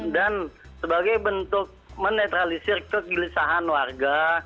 dan sebagai bentuk menetralisir kegelisahan warga